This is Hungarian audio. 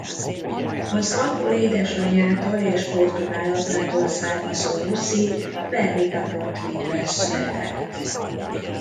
Az angol édesanyától és portugál apától származó Lucy Berwick-upon-Tweed-ben született.